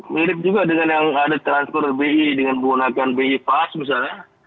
mirip juga dengan yang ada transfer bi dengan menggunakan bi fas misalnya